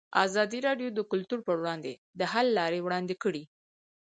ازادي راډیو د کلتور پر وړاندې د حل لارې وړاندې کړي.